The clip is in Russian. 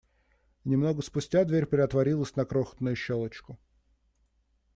Немного спустя дверь приотворилась на крошечную щелочку.